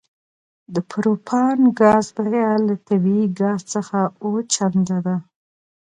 د پروپان ګاز بیه له طبیعي ګاز څخه اوه چنده ده